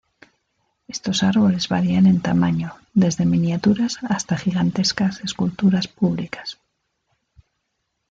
Estos árboles varían en tamaño desde miniaturas hasta gigantescas esculturas públicas.